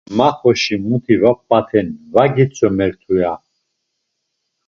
“Ma xoşi muti va p̌aten va gitzomertu!” ya.